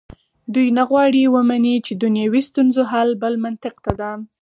دوی نه غواړي ومني چې دنیوي ستونزو حل بل منطق ته ده.